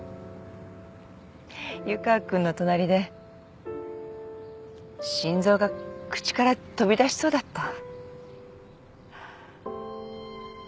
湯川君の隣で心臓が口から飛び出しそうだった。